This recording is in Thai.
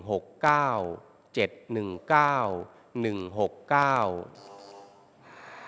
ออกทางวันที่๕ครั้งที่๕๕